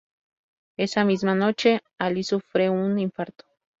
Esa misma noche, Ali sufre un infarto.